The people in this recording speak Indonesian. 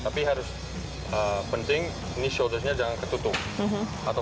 tapi harus penting ini shoulders nya jangan ketutup